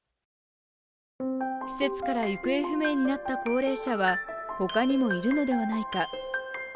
施設から行方不明になった高齢者は他にもいるのではないか。